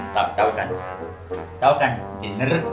tau kan tau kan dinner